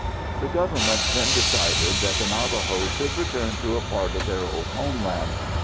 The Government then decided that the Navajos should return to a part of their old homeland.